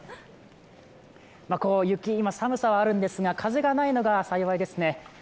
寒さはあるんですが、風がないのが幸いですね。